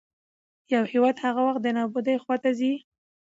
يـو هېـواد هـغه وخـت دې نـابـودۍ خـواتـه ځـي.